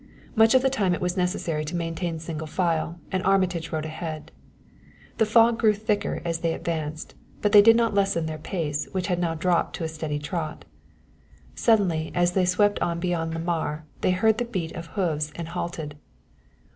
Much of the time it was necessary to maintain single file; and Armitage rode ahead. The fog grew thicker as they advanced; but they did not lessen their pace, which had now dropped to a steady trot. Suddenly, as they swept on beyond Lamar, they heard the beat of hoofs and halted.